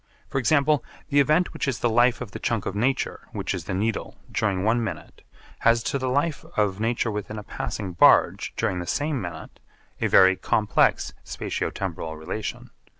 For example, the event which is the life of the chunk of nature which is the Needle during one minute has to the life of nature within a passing barge during the same minute a very complex spatio temporal relation.